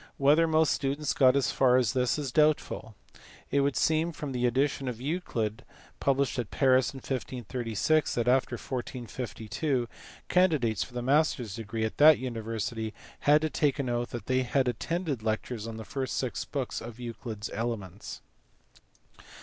Whether most students got as far as this is doubtful. It would seem, from an edition of Euclid published at Paris in 1536, that after 1452 candi dates for the master s degree at that university had to take an oath that they had attended lectures on the first six books of Euclid s Elements.